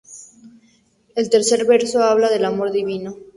El tercer verso habla del Amor Divino.